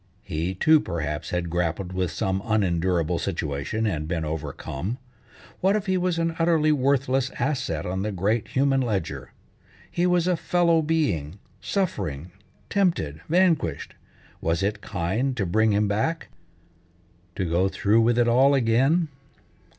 He, too, perhaps had grappled with some unendurable situation and been overcome. What if he was an utterly worthless asset on the great human ledger? He was a fellow being, suffering, tempted, vanquished. Was it kind to bring him back, to go through with it all again?